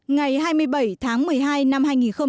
ngày hai mươi bảy tháng một mươi hai năm hai nghìn một mươi chín